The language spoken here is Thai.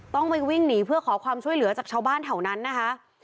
ต้องไปวิ่งหนีเพื่อขอความช่วยเหลือจากชาวบ้านแถวนั้นนะคะ